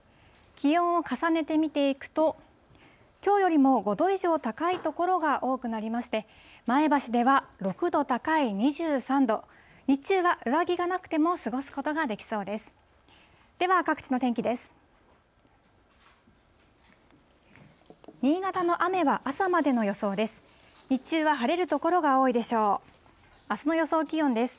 気温を重ねて見ていくと、きょうよりも５度以上高い所が多くなりまして、前橋では６度高い２３度、日中は上着がなくても過ごすことができそうです。